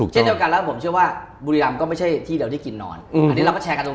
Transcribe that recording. เช่นเดียวกันแล้วผมเชื่อว่าบุรีรำก็ไม่ใช่ที่เราได้กินนอนอันนี้เราก็แชร์กันตรง